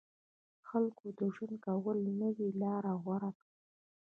خلکو د ژوند کولو نوې لاره غوره کړه.